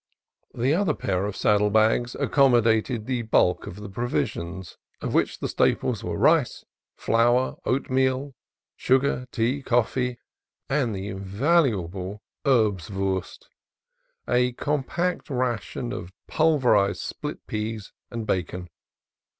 The other pair of saddle bags accommodated the bulk of the provisions, of which the staples were rice, flour, oatmeal, sugar, tea, coffee, and the invaluable erbswurst, a compacted ration of pulverized split peas and bacon.